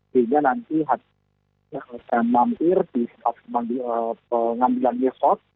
sehingga nanti saya mampir di pengambilan mesot